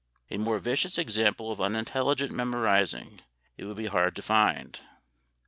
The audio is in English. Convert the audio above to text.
A more vicious example of unintelligent memorizing it would be hard to find.